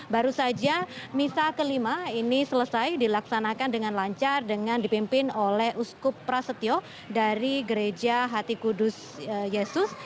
baru saja misa kelima ini selesai dilaksanakan dengan lancar dengan dipimpin oleh uskup prasetyo dari gereja hati kudus yesus